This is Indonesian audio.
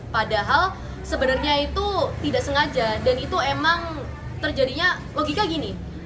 padahal sebenarnya itu tidak sengaja dan itu emang terjadinya logika gini